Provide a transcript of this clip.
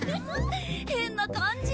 変な感じ。